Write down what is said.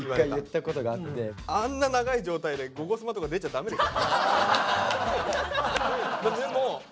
あんな長い状態で「ゴゴスマ」とか出ちゃダメでしょ。